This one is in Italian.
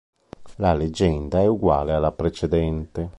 La legenda è uguale alla precedente.